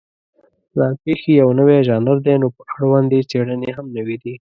ځان پېښې یو نوی ژانر دی، نو په اړوند یې څېړنې هم نوې دي.